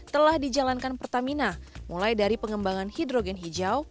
telah dijalankan pertamina mulai dari pengembangan hidrogen hijau